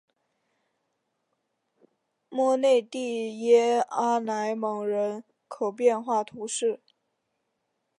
莫内蒂耶阿莱蒙人口变化图示